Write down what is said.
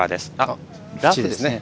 ラフですね。